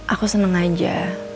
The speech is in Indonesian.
aku seneng aja